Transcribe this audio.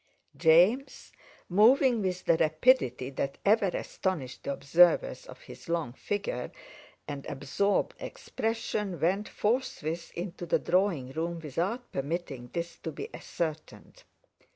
James, moving with the rapidity that ever astonished the observers of his long figure and absorbed expression, went forthwith into the drawing room without permitting this to be ascertained.